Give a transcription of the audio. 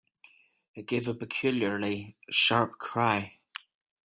It gave a peculiarly sharp cry.